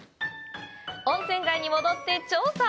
温泉街に戻って調査！